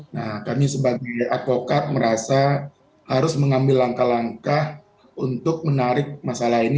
nah kami sebagai advokat merasa harus mengambil langkah langkah untuk menarik masalah ini